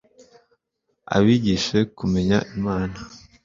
abigishe kumenya imana